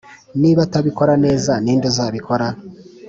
niba atabikora, neza, ninde uzabikora?